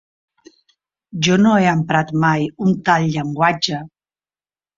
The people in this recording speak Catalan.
Jo no he emprat mai un tal llenguatge.